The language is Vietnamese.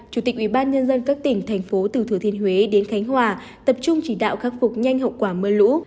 chủ tịch ubnd các tỉnh thành phố từ thừa thiên huế đến khánh hòa tập trung chỉ đạo khắc phục nhanh hậu quả mưa lũ